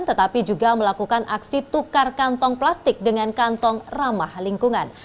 tetapi juga melakukan aksi tukar kantong plastik dengan kantong ramah lingkungan